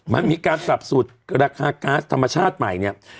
มันมีการปรับสูตรราคาก๊าซธรรมชาติใหม่เนี่ย